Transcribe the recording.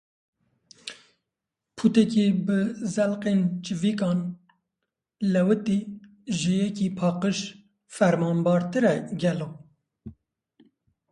Pûtekî bi zelqên çivîkan lewitî, ji yekî paqij fermanbartir e gelo?